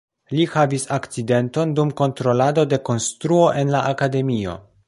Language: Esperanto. Li havis akcidenton dum kontrolado de konstruo en la akademio.